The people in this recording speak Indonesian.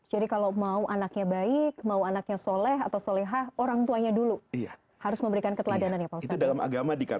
jadi kalau mau anaknya baik mau anaknya sholih atau sholihah orang tuanya dulu harus memberikan keteladanan ya pak ustadz